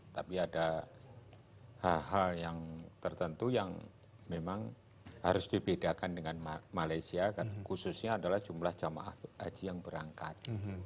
tapi ada hal hal yang tertentu yang memang harus dibedakan dengan malaysia khususnya adalah jumlah jamaah haji yang berangkat